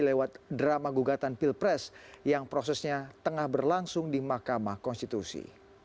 lewat drama gugatan pilpres yang prosesnya tengah berlangsung di mahkamah konstitusi